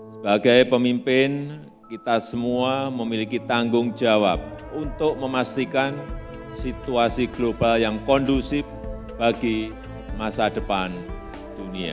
sebagai pemimpin kita semua memiliki tanggung jawab untuk memastikan situasi global yang kondusif bagi masa depan dunia